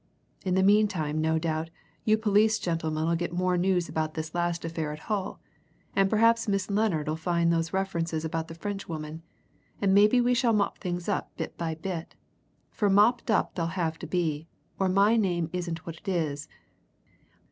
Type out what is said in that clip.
In the meantime no doubt you police gentlemen'll get more news about this last affair at Hull, and perhaps Miss Lennard'll find those references about the Frenchwoman, and maybe we shall mop things up bit by bit for mopped up they'll have to be, or my name isn't what it is!